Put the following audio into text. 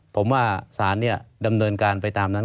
ผมว่าศาลดำเนินการไปตามนั้น